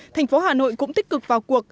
thành phố hà nội cũng tích cực vào cuộc